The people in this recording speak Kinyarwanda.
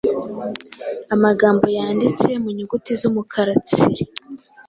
amagambo yanditse mu nyuguti z’umukara tsiri